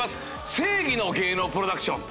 『正偽の芸能プロダクション』と。